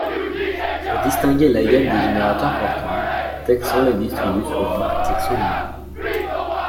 Pour distinguer la gamme des générateurs portables, Teksan les distribue sous la marque TeksanMini.